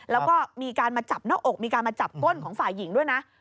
แล้วก็มีการมาจับหน้าอกมีการมาจับก้นของฝ่ายหญิงด้วยนะ